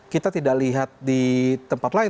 kita tidak lihat di tempat lain